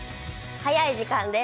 早い時間です。